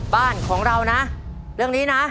บ้านของเรานะเรื่องนี้นะ